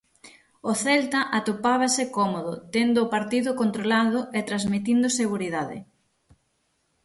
O Celta atopábase cómodo, tendo o partido controlado, e transmitindo seguridade.